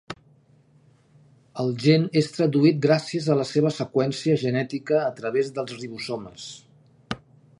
El gen és traduït gràcies a la seva seqüència genètica a través dels ribosomes.